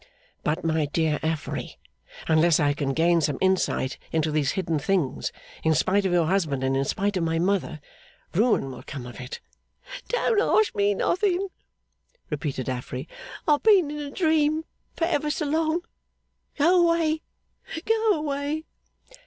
'But my dear Affery; unless I can gain some insight into these hidden things, in spite of your husband and in spite of my mother, ruin will come of it.' 'Don't ask me nothing,' repeated Affery. 'I have been in a dream for ever so long. Go away, go away!